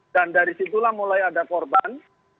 dan dari situlah mulai ada korban